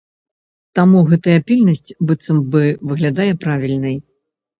Таму гэтая пільнасць быццам бы выглядае правільнай.